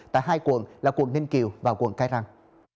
tại hai quận là quận ninh kiều và quận cái răng